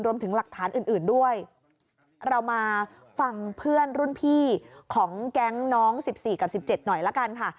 รวมถึงหลักฐานอื่นอื่นด้วยเรามาฟังเพื่อนรุ่นพี่ของแก๊งน้อง๑๔กับ๑๗หน่อยละกันค่ะ